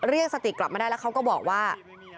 เรียกสติกลับมาได้แล้วเขาก็บอกว่า